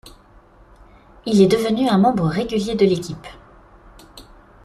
Il est devenu un membre régulier de l'équipe.